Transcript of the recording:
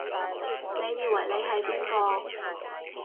你以為你係邊個？